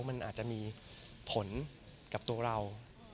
ก็มีไปคุยกับคนที่เป็นคนแต่งเพลงแนวนี้